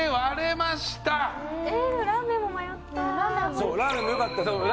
そうラーメンもよかった。